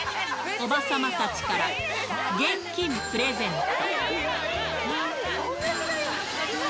おばさまたちから、現金プレゼント。